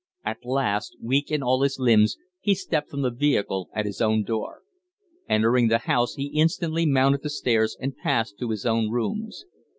At last, weak in all his limbs, he stepped from the vehicle at his own door. Entering the house, he instantly mounted the stairs and passed to his own rooms.